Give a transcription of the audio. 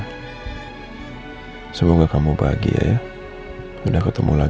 rina semoga kamu bahagia ya udah ketemu lagi sama mama